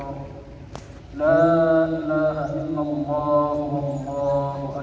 allah akbar allah akbar allah akbar